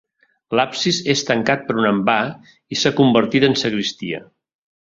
L'absis és tancat per un envà i s'ha convertit en sagristia.